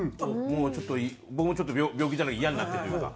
ちょっと僕も病気じゃないけどイヤになってというか。